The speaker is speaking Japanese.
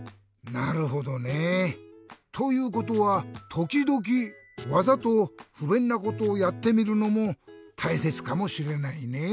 なるほどね。ということはときどきわざとふべんなことをやってみるのもたいせつかもしれないね。